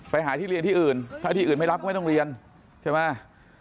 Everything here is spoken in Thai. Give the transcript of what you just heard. ไปหาที่เรียนที่อื่นถ้าที่อื่นไม่รับก็ไม่ต้องเรียนใช่ไหม